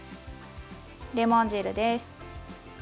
レモン汁です。